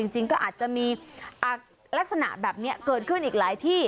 จริงก็อาจจะมีลักษณะแบบนี้เกิดขึ้นอีกหลายที่